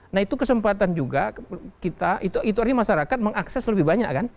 nah itu kesempatan juga kita itu artinya masyarakat mengakses lebih banyak kan